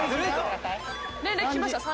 年齢聞きました。